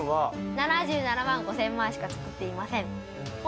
７７万５０００枚しか造っていません。